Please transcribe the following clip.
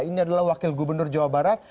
ini adalah wakil gubernur jawa barat